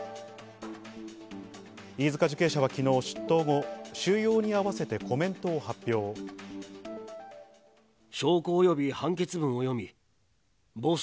飯塚受刑者は昨日出頭後、収容に合わせてコメントを発表。